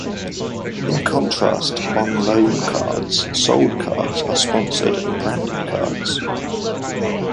In contrast to On-Loan cards, Sold cards are sponsored and branded cards.